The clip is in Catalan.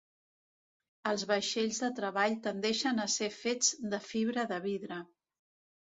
Els vaixells de treball tendeixen a ser fets de fibra de vidre.